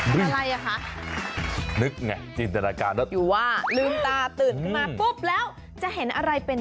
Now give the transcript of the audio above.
มีอะไรอ่ะคะนึกไงจินแต่ละการด้วยว่าลืมตาตื่นมาปุ๊บแล้วจะเห็นอะไรเป็น